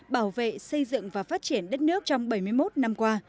bảo vệ xây dựng và phát triển đất nước trong bảy mươi một năm qua